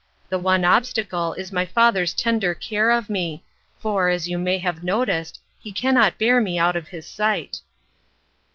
The one obstacle is my father's tender care of me, for, as you may have noticed, he cannot bear me out of his sight."